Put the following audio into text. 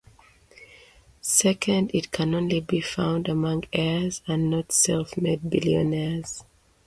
Second, it can only be found among heirs and not self-made billionaires.